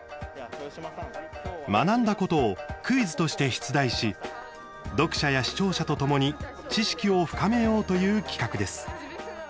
学んだことをクイズとして出題し読者や視聴者とともに知識を深めようという企画です。